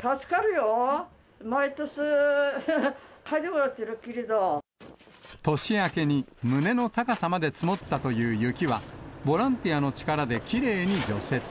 助かるよ、年明けに胸の高さまで積もったという雪は、ボランティアの力できれいに除雪。